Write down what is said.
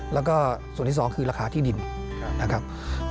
แล้วก็ส่วนที่สองคือราคาที่ดินนะครับ